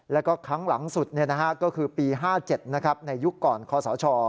แล้วก็ครั้งหลังสุดก็คือปี๕๗ในยุคก่อนคอสช